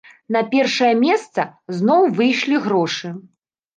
На першая месца зноў выйшлі грошы.